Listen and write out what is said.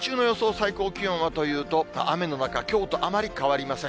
最高気温はというと、雨の中、きょうとあまり変わりません。